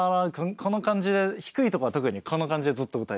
この感じで低いとこは特にこんな感じでずっと歌えるっていう。